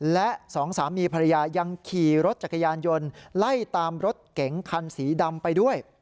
และสองสามีภรรยายังขี่รถจักรยานยนต์ไล่ตามรถเก๋งคันสีดำไปด้วย